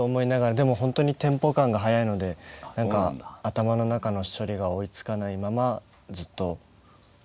でも本当にテンポ感が速いので何か頭の中の処理が追いつかないままずっと撮ってます。